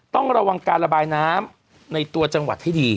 ต้องระวังการระบายน้ำในตัวจังหวัดให้ดี